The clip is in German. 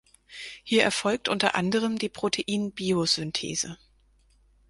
Hier erfolgt unter anderem die Proteinbiosynthese.